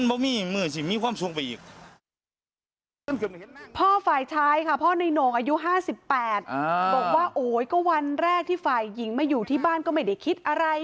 บอกว่าโอ๊ยก็วันแรกที่ฝ่ายหญิงมาอยู่ที่บ้านก็ไม่ได้คิดอะไร